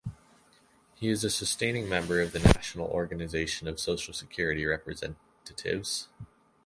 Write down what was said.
He is a sustaining member of the National Organization of Social Security Representatives.